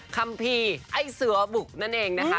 คัมพีไอเสรร์บุ๋นั่นเองนะคะ